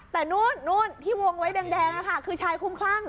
แต่นู่นที่วงไว้แดงนะคะคือชายคุ้มคลั่ง